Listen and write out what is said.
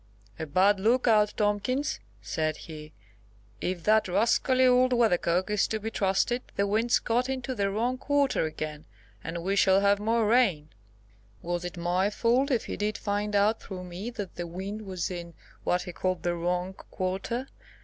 A bad look out, Tomkins, said he, if that rascally old weathercock is to be trusted, the wind's got into the wrong quarter again, and we shall have more rain. Was it my fault if he did find out through me that the wind was in, what he called, the wrong quarter?